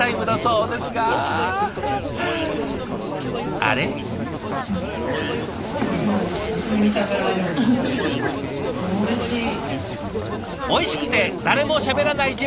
おいしくて誰もしゃべらない自慢！